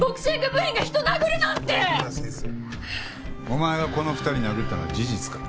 お前がこの２人殴ったのは事実か？